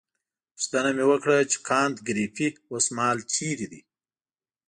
پوښتنه مې وکړه چې کانت ګریفي اوسمهال چیرې دی.